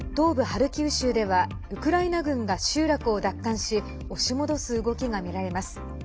ハルキウ州ではウクライナ軍が集落を奪還し押し戻す動きが見られます。